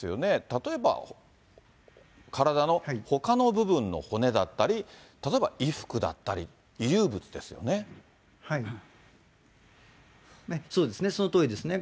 例えば体のほかの部分の骨だったり、例えば衣服だったり、そうですね、そのとおりですね。